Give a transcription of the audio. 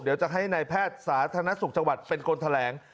เดี๋ยวจะให้นายแพทย์สาธารณสุขจังหวัดเป็นคนแถลง